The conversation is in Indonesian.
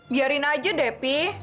biarin aja depi